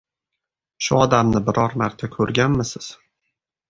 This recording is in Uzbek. — Shu odamni biron marta ko‘rganmisiz?